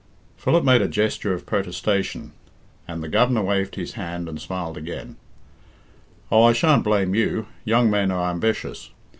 Philip made a gesture of protestation, and the Governor waved his hand and smiled again. "Oh, I shan't blame you; young men are ambitious.